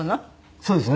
そうですね。